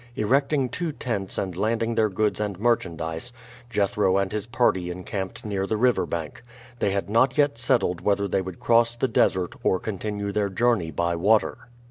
Erecting two tents and landing their goods and merchandise, Jethro and his party encamped near the river bank. They had not yet settled whether they would cross the desert or continue their journey by water.